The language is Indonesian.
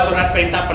setelah berdarah murid